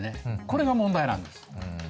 これが問題なんです。